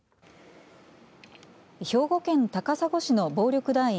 兵庫県高砂市の暴力団員